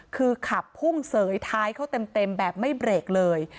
คือขับพุ่งเสยท้ายเขาเต็มแบบไม่เบรกเลย